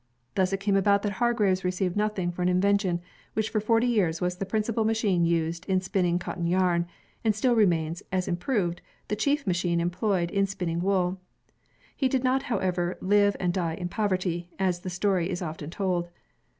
Thus it came about that Hargreaves received nothing for an invention which for forty years was the principal machine used in spinning cotton yam, and still remains, as improved, the chief machine employed in spinning wool. He did not, however, live and die in poverty, as the story is often told.